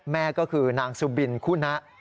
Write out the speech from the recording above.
แม่ก็คือนางสุบินคุณะ